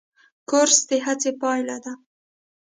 کورس د هڅې پایله ده.